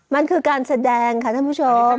มันคือการแสดงค่ะท่านผู้ชม